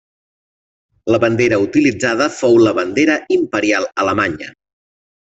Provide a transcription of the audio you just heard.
La bandera utilitzada fou la bandera imperial alemanya.